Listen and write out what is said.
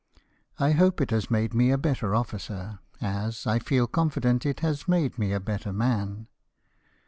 I hope it has made me a better officer, as, I feel confident, it has made me a better man.